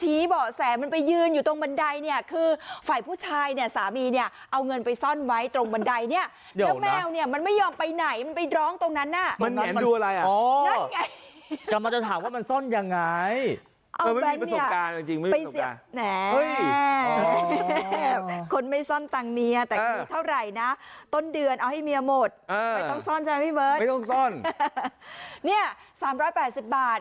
ตรงบันไดเนี่ยคือฝ่ายผู้ชายเนี่ยสามีเนี่ยเอาเงินไปซ่อนไว้ตรงบันไดเนี่ยแล้วแมวเนี่ยมันไม่ยอมไปไหนมันไปดร้องตรงนั้นน่ะมันแหงดูอะไรอ่ะนั่นไงกำลังจะถามว่ามันซ่อนยังไงเอาแบบเนี่ยมันไม่มีประสบการณ์จริงไม่มีประสบการณ์คนไม่ซ่อนตังเมียแต่มีเท่าไหร่นะต้นเดือนเอาให้เมียหมดไม่ต้